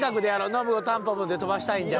「ノブをタンポポで飛ばしたいんじゃ！！」。